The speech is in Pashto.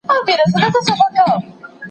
که سوله وي نو ژوند ښه کیږي.